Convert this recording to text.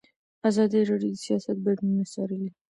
ازادي راډیو د سیاست بدلونونه څارلي.